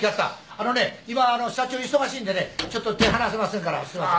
あのね今社長忙しいんでねちょっと手離せませんからすいません。